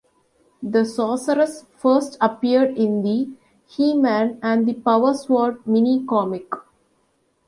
The Sorceress first appears in the "He-Man and the Power Sword" mini-comic.